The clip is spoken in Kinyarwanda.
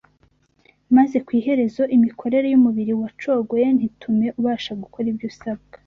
maze ku iherezo imikorere y’umubiri wacogoye ntitume ubasha gukora ibyo usabwa.